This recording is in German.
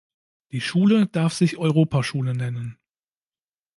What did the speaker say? Die Schule darf sich Europaschule nennen.